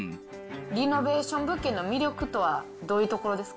リノベーション物件の魅力とはどういうところですか？